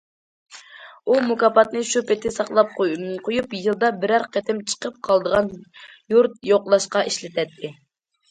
ئۇ مۇكاپاتنى شۇ پېتى ساقلاپ قويۇپ يىلدا بىرەر قېتىم چىقىپ قالىدىغان يۇرت يوقلاشقا ئىشلىتەتتى.